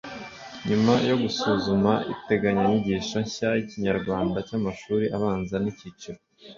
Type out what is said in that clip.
Nyuma yo gusuzuma integanyanyigisho nshya y’ikinyarwanda cy’amashuri abanza n’icyiciro